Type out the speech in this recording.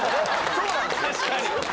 確かに。